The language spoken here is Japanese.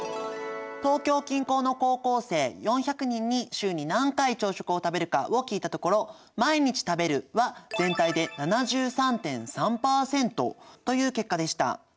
東京近郊の高校生４００人に週に何回朝食を食べるかを聞いたところ「毎日食べる」は全体で７３．３％という結果でした。